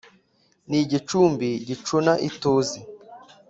ni igicumbi gicuna ituze,